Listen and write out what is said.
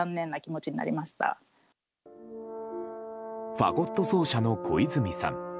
ファゴット奏者の小泉さん。